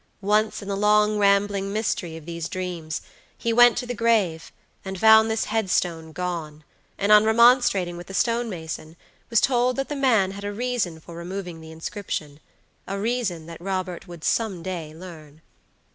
Once in the long, rambling mystery of these dreams he went to the grave, and found this headstone gone, and on remonstrating with the stonemason, was told that the man had a reason for removing the inscription; a reason that Robert would some day learn.